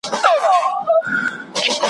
دا چي لوی سي نو که نن وي که سبا وي ,